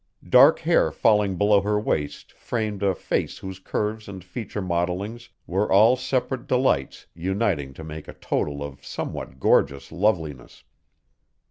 Dark hair falling below her waist framed a face whose curves and feature modelings were all separate delights uniting to make a total of somewhat gorgeous loveliness.